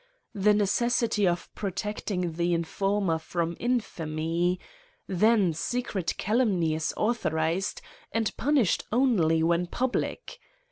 The necessity of protecting the informer from infamy ; then secret calumny is authorised, and 'punished only when public.